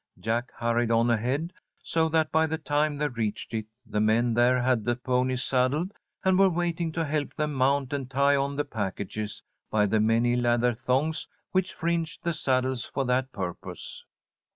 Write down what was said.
Jack hurried on ahead, so that by the time they reached it, the men there had the ponies saddled and were waiting to help them mount and tie on the packages by the many leather thongs which fringed the saddles for that purpose.